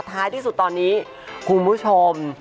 ท้ายที่สุดตอนนี้คุณผู้ชม